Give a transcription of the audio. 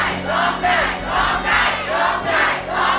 ร้องได้ร้องได้ร้องได้ร้อง